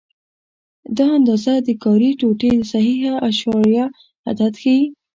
دا اندازه د کاري ټوټې صحیح اعشاریه عدد ښيي.